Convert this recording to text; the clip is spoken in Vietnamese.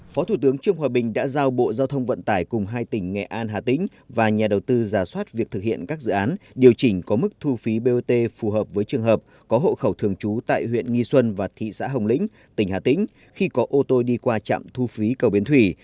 phó thủ tướng trương hòa bình đã giao bộ giao thông vận tải cùng hai tỉnh nghệ an hà tĩnh và nhà đầu tư giả soát việc thực hiện các dự án điều chỉnh có mức thu phí bot phù hợp với trường hợp có hộ khẩu thường trú tại huyện nghi xuân và thị xã hồng lĩnh tỉnh hà tĩnh khi có ô tô đi qua trạm thu phí cầu bến thủy